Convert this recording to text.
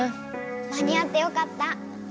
間に合ってよかった。